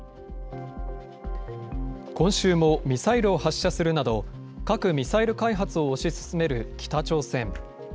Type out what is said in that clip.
今週もミサイルを発射するなど、核・ミサイル開発を推し進める北朝鮮。